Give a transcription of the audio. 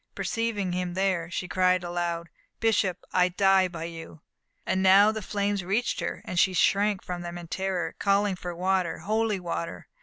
Perceiving him there, she cried aloud: "Bishop, I die by you!" And now the flames reached her, and she shrank from them in terror, calling for water holy water!